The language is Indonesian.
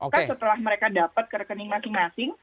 karena setelah mereka dapat ke rekening masing masing